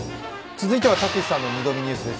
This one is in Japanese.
続いてはたけしさんの「２度見ニュース」です。